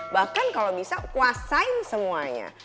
bahkan kalau bisa kuasain semuanya